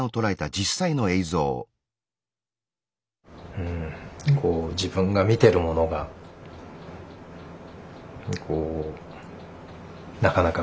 うんこう自分が見てるものがこうなかなか受け入れられない。